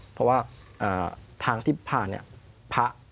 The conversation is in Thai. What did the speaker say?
เพราะว่าทางที่ผ่านพระ